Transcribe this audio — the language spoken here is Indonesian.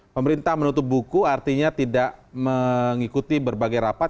pemerintah menutup buku artinya tidak mengikuti berbagai rapat